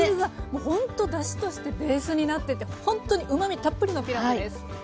もうほんとだしとしてベースになっててほんっとにうまみたっぷりのピラフです。